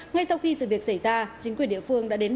ngay sau khi sự việc xảy ra chính quyền địa phương đã đến